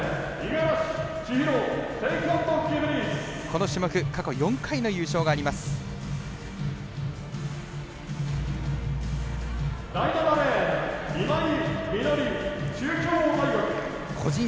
この種目、過去４回の優勝があります、五十嵐。